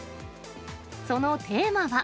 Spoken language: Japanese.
そのテーマは。